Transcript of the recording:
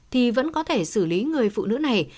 thì vẫn có thể xử lý người phụ nữ này